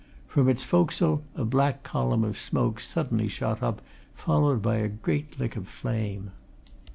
From its forecastle a black column of smoke suddenly shot up, followed by a great lick of flame.